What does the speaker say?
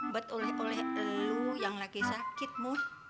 tapi oleh oleh lo yang lagi sakit mun